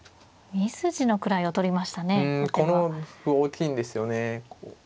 この歩大きいんですよね。